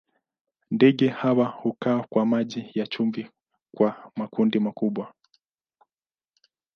Ndege hawa hukaa kwa maji ya chumvi kwa makundi makubwa.